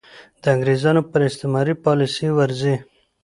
د انګرېزانو پر استعماري پالیسۍ ورځي.